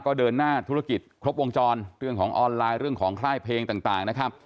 ก็เดินหน้าธุรกิจครบวงจรเรื่องของออนไลน์เรื่องของค่ายเพลงต่างนะครับ